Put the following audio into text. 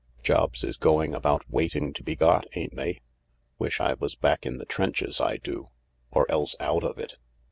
Jobs is going about waiting to be got, ain't they ? Wish I was back in the trenches, I do. Or else out of it.